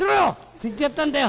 そう言ってやったんだよ。